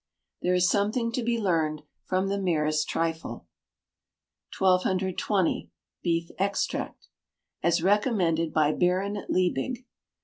[THERE IS SOMETHING TO BE LEARNED FROM THE MEREST TRIFLE.] 1220. Beef Extract. (AS RECOMMENDED BY BARON LIEBIG).